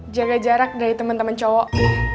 jaga jarak dari temen temen cowok